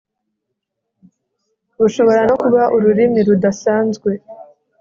bushobora no kuba ururimi rudasanzwe